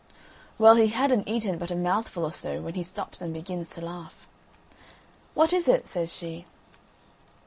Well, he hadn't eaten but a mouthful or so, when he stops and begins to laugh. "What is it?" says she.